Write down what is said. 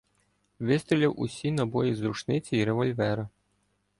Вистріляв усі набої з рушниці й револьвера.